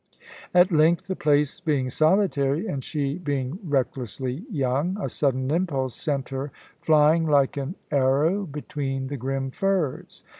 At length, the place being solitary and she being recklessly young, a sudden impulse sent her flying like an arrow between the grim firs.